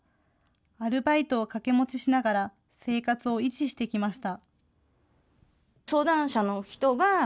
アルバイトを掛け持ちしながら、生活を維持してきました。